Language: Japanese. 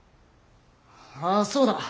ああそうだ。